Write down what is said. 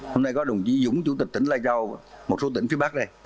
hôm nay có đồng chí dũng chủ tịch tỉnh lai cao một số tỉnh phía bắc đây